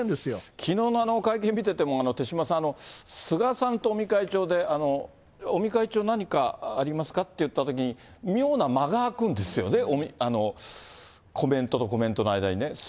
きのうのあの会見見てても、手嶋さん、菅さんと尾身会長で、尾身会長、何かありますか？って言ったときに、妙な間が空くんですよね、コメントとコメントの間にね。